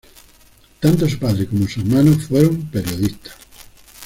Tanto su padre como su hermano fueron periodistas.